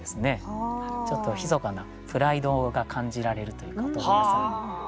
ちょっとひそかなプライドが感じられるというかお豆腐屋さんに。